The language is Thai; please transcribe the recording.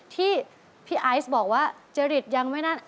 ที่พี่ไอซ์บอกว่าจริตยังไม่นั่น